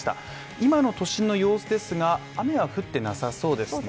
今の都市の様子ですが、雨は降ってなさそうですね。